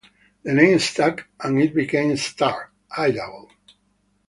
The name stuck and it became Star, Idaho.